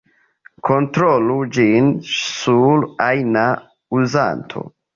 Kontrolu ĝin sur ajna uzanto.